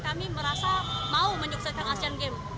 kami merasa mau menyukseskan asian games